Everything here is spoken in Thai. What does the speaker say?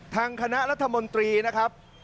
ทางคณะรัฐมนตรีนะครับ